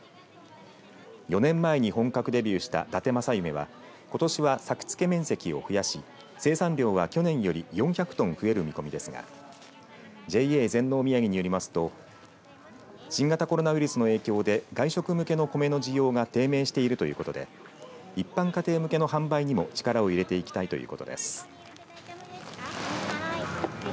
４年前に本格デビューした、だて正夢はことしは作つけ面積を増やし生産量は去年より４００トン増える見込みですがＪＡ全農みやぎによりますと新型コロナウイルスの影響で外食向けの米の需要が低迷しているということで一般家庭向けの販売にも力を入れていきたいということです。